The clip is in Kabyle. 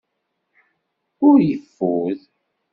Ur yeffud.